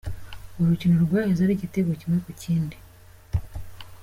Urukino rwaheze ari igitego kimwe ku kindi.